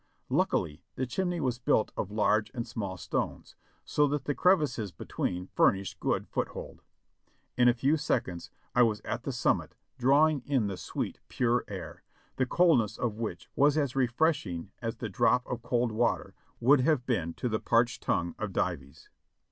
Luckily the chimney was built of large and small stones, so that the crevices between furnished good foothold. In a few seconds 1 was at the summit drawing in the sweet, pure air, the coldness of which was as refreshing as the drop of cold water would have been to the parched tongue of Dives.